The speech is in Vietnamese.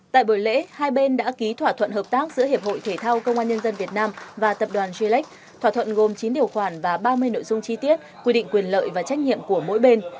tại buổi lễ hai bên đã ký thỏa thuận hợp tác giữa hiệp hội thể thao công an nhân dân việt nam và tập đoàn g lex thỏa thuận gồm chín điều khoản và ba mươi nội dung chi tiết quy định quyền lợi và trách nhiệm của mỗi bên